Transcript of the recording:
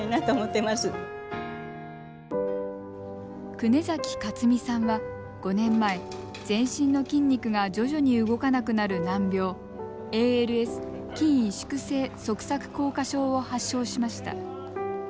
久根崎克美さんは、５年前全身の筋肉が徐々に動かなくなる難病ＡＬＳ＝筋萎縮性側索硬化症を発症しました。